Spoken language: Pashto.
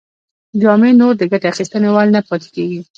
جامې نور د ګټې اخیستنې وړ نه پاتې کیږي.